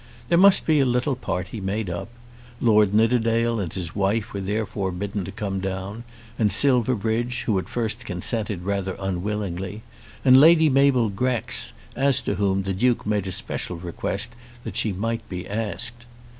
There must be a little party made up. Lord Nidderdale and his wife were therefore bidden to come down, and Silverbridge, who at first consented rather unwillingly, and Lady Mabel Grex, as to whom the Duke made a special request that she might be asked.